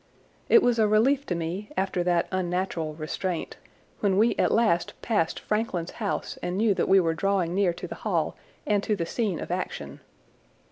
It was a relief to me, after that unnatural restraint, when we at last passed Frankland's house and knew that we were drawing near to the Hall and to the scene of action.